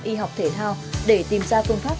y học thể thao để tìm ra phương pháp